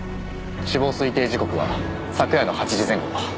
死亡推定時刻は昨夜の８時前後。